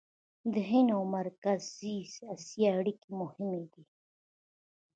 د هند او مرکزي اسیا اړیکې مهمې دي.